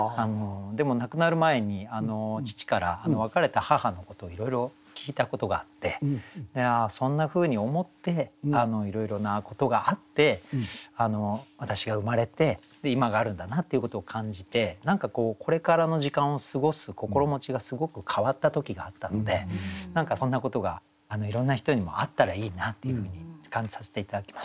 でも亡くなる前に父から別れた母のことをいろいろ聞いたことがあってああそんなふうに思っていろいろなことがあって私が生まれて今があるんだなっていうことを感じて何かこれからの時間を過ごす心持ちがすごく変わった時があったので何かそんなことがいろんな人にもあったらいいなっていうふうに感じさせて頂きました。